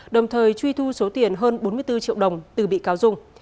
đồng thời truy thu số tiền hơn bốn mươi bốn triệu đồng từ bị cáo dung